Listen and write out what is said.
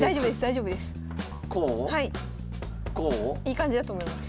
いい感じだと思います。